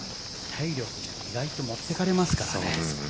体力が意外と持っていかれますからね。